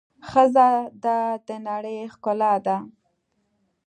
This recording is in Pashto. ښځه د د نړۍ ښکلا ده.